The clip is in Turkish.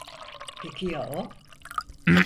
Peki ya o?